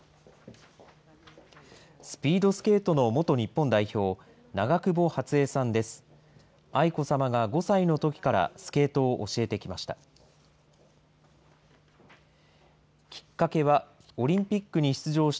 スピードスケートの元日本代表、長久保初枝さんです。